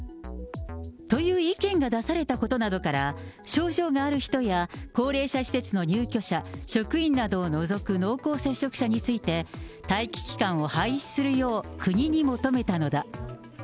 という意見が出されたことなどから、症状がある人や、高齢者施設の入居者、職員などを除く濃厚接触者について、待機期間を廃止するよう、国に求めたのだ。